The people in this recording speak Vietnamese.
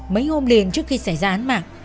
mấy hôm liền trước khi xảy ra án mạng